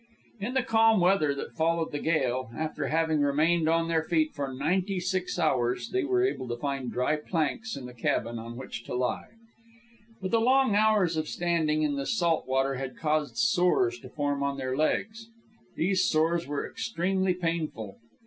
In the calm weather that followed the gale, after having remained on their feet for ninety six hours, they were able to find dry planks in the cabin on which to lie. But the long hours of standing in the salt water had caused sores to form on their legs. These sores were extremely painful.